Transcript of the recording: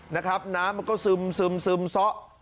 นะครับน้ำมันก็ซึมซึมซึมซ้อ